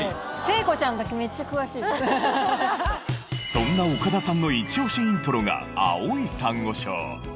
そんな岡田さんのイチオシイントロが『青い珊瑚礁』。